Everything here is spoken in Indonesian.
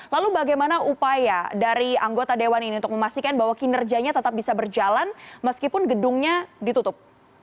lalu bagaimana upaya dari anggota dewan ini untuk memastikan bahwa kinerjanya tetap bisa berjalan meskipun gedungnya ditutup